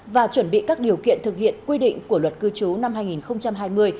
và chuẩn bị các điều kiện thực hiện quy định của luật cư trú năm hai nghìn hai mươi